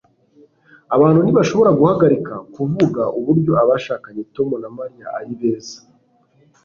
abantu ntibashobora guhagarika kuvuga uburyo abashakanye tom na mariya ari beza